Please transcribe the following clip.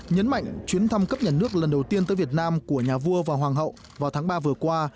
nhấn mạnh chuyến thăm cấp nhà nước lần đầu tiên tới việt nam của nhà vua và hoàng hậu vào tháng ba vừa qua